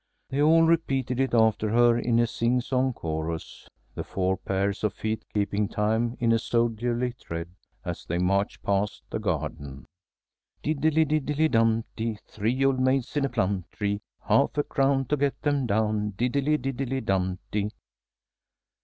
They all repeated it after her in a singsong chorus, the four pairs of feet keeping time in a soldierly tread as they marched past the garden: "Diddledy diddledy dumpty! Three old maids in a plum tree! Half a crown to get them down, Diddledy diddledy dumpty!"